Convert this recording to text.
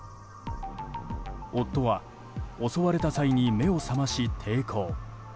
夫は、襲われた際に目を覚まし抵抗。